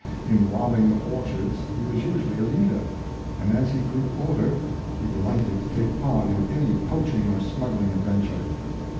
In robbing orchards, he was usually a leader; and, as he grew older, he de lighted to take part in any poaching or smuggling ad venture.